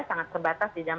sangat terbatas di dalam